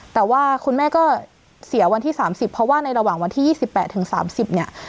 แต่ว่าคุณแม่ก็เสียวันที่๓๐เพราะว่าในระหว่างวันที่๒๘ถึง๓๐เนี่ย